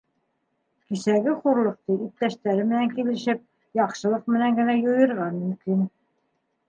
Кисәге хурлыҡты, иптәштәре менән килешеп, яҡшылыҡ менән генә юйырға мөмкин.